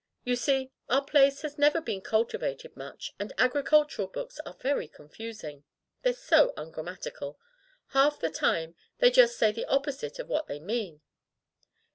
You see, our place has never been cultivated much and agricultural books are very confusing. They're so ungrammatical. Half the time they say just the opposite of what they mean."